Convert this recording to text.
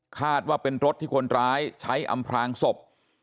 คาดว่าเป็นรถที่คนร้ายใช้อำพลางศพ